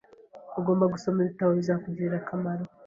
Ugomba gusoma ibitabo bizakugirira akamaro